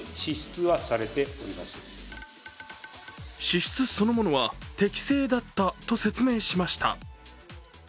支出そのものは適正だったと説明しました。